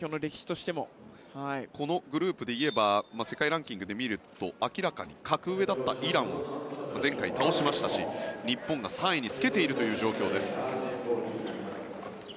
このグループで言えば世界ランキングで見ると明らかに格上だったイランを前回倒しましたし日本が３位につけているという状況です。